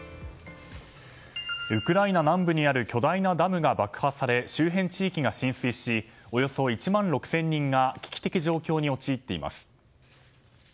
ウクライナ南部にある巨大なダムが爆破され周辺地域が浸水しおよそ１万６０００人が危機的状況に陥っています。